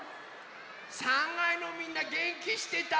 ３がいのみんなげんきしてた？